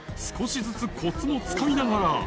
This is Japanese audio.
少しずつこつをつかみながら。